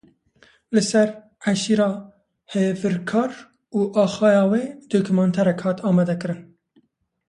Li ser eşîra Hevêrkan û axayê wê dokumenterek hat amadekirin.